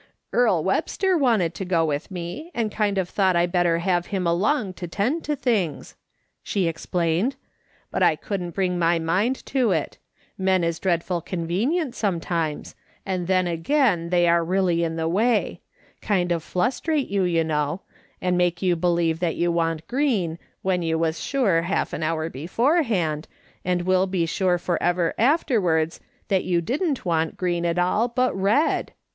" Earle Webster wanted to go with me, and kind MEDITATIONS THAT MEANT SOMETHING. 205 of thought I better have him along to tend to things," she explained ;" but I couldn't bring my mind to it ; men is dreadful convenient sometimes, and then again they are really in the way ; kind of flustrate yon, you know, and make you believe that you want green, when you was sure half an hour beforehand, and will be sure for ever afterwards, that you didn't want green at all, but red.